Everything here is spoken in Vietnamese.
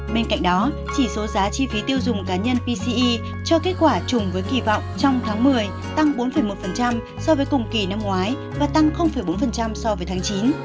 bên cạnh đó chỉ số giá chi phí tiêu dùng cá nhân pce cho kết quả chùng với kỳ vọng trong tháng một mươi tăng bốn một so với cùng kỳ năm ngoái và tăng bốn so với tháng chín